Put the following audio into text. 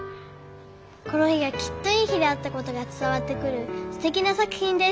この日がきっといい日であったことが伝わってくるすてきな作品です」。